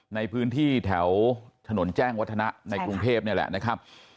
ในพื้นที่แถวถนนแจ้งวัฒนะในกรุงเทพนี่แหละนะครับ